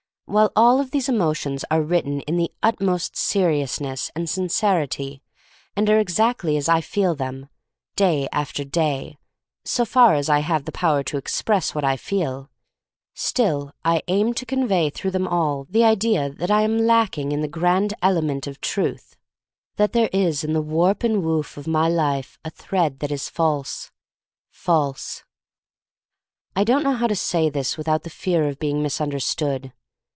While all of these emotions are writ ten in the utmost seriousness and sin cerity, and are exactly as I feel them, day after day — so far as I have the power to express what I feel — still I aim to convey through them all the idea that I am lacking in the grand element of Truth — that there is in the warp and woof of my life a thread that is false — false. I don't know how to say this without the fear of being misunderstood.